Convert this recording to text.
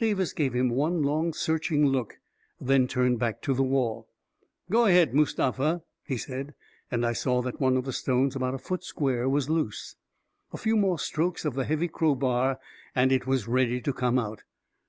Davis gave him one long, searching look, then turned back to the wall. 44 Go ahead, Mustafa," he said, and I saw that one of the stones, about a foot square, was loose. A few more strokes of the heavy crow bar, and it was ready to come out.